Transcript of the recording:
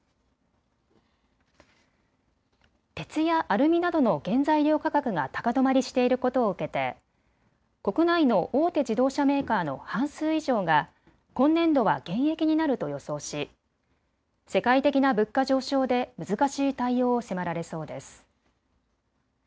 鉄やアルミなどの原材料価格が高止まりしていることを受けて国内の大手自動車メーカーの半数以上が今年度は減益になると予想し世界的な物価上昇で難しい対応を迫られそうです。